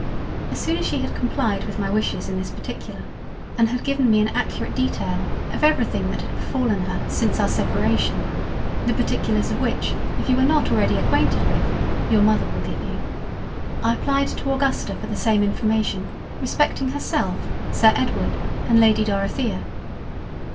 As soon as she had complyed with my wishes in this particular and had given me an accurate detail of every thing that had befallen her since our separation (the particulars of which if you are not already acquainted with, your Mother will give you) I applied to Augusta for the same information respecting herself, Sir Edward and Lady Dorothea.